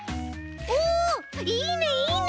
おおいいねいいね。